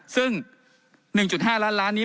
ซึ่ง๑๕ล้านล้านนี้